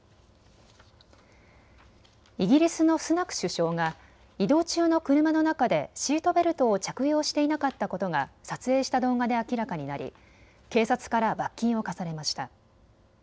イギリスのスナク首相が移動中の車の中でシートベルトを着用していなかったことが撮影した動画で明らかになり警察から罰金を科されました。